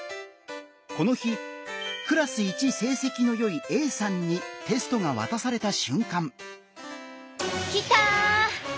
この日クラス一成績のよいＡさんにテストが渡された瞬間。